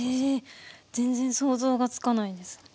全然想像がつかないです。